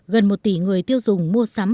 gần một tỷ người tiêu dùng mua sắm